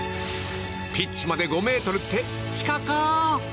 ピッチまで５ｍって近か。